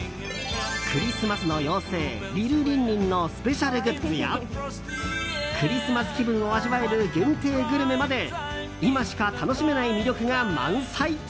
クリスマスの妖精リルリンリンのスペシャルグッズやクリスマス気分を味わえる限定グルメまで今しか楽しめない魅力が満載。